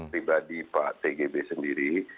pribadi pak tgb sendiri